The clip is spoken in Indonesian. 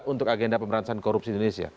untuk agenda pemerintahan korupsi indonesia